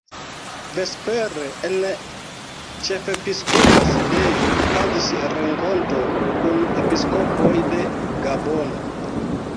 Vespere en ĉefepiskopa sidejo okazis renkonto kun episkopoj de Gabono.